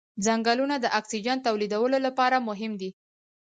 ځنګلونه د اکسیجن تولیدولو لپاره مهم دي